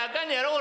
俺！